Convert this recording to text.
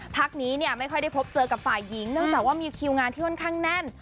พักนี้เนี่ยไม่ค่อยได้พบเจอกับฝ่ายหญิงเนื่องจากว่ามีคิวงานที่ค่อนข้างแน่น